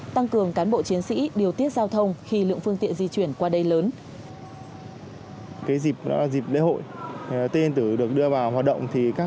tăng cường cán bộ chiến sĩ điều tiết giao thông khi lượng phương tiện di chuyển qua đây lớn